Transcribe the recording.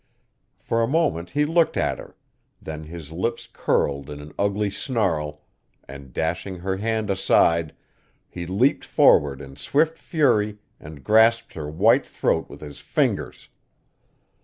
For a moment he looked at her, then his lips curled in an ugly snarl, and, dashing her hand aside, he leaped forward in swift fury and grasped her white throat with his fingers.